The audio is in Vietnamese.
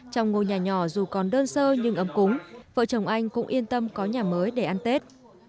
trong ngôi nhà nhỏ dù còn đơn sơ nhưng ấm cúng vợ chồng anh cũng yên tâm có nhà mới để ăn tết